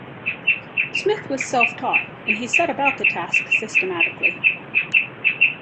Smith was self-taught and he set about the task systematically.